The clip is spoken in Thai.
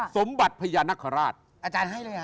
สมบัติพญานาคขอราช